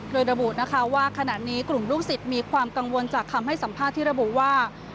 โดยระบุนะคะว่าขณะนี้กลุ่มลูกศิษย์มีความกังวลจากคำให้สัมภาษณ์ที่ระบุว่า